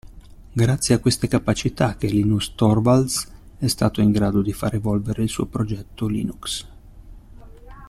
Grazie a queste capacità che Linus Torvalds è stato in grado di far evolvere il suo progetto Linux.